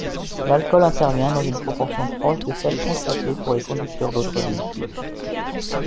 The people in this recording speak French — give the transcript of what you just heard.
L'alcool intervient dans une proportion proche de celle constatée pour les conducteurs d'autres véhicules.